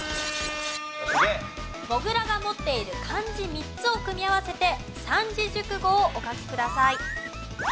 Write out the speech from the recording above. モグラが持っている漢字３つを組み合わせて三字熟語をお書きください。